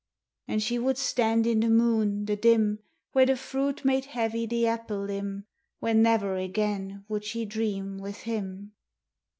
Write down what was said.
And she would stand in the moon, the dim, Where the fruit made heavy the apple limb, Where never again would she dream with him.